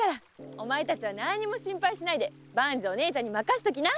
おまえたちは何にも心配しないで万事姉ちゃんにまかしときな！